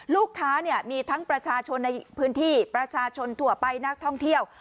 ลูกค้าเนี่ยมีทั้งประชาชนในพื้นที่ประชาชนทั่วไปนักท่องเที่ยว